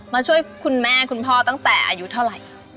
มาช่วยคุณแม่คุณพ่อตั้งแต่อายุเท่าไหร่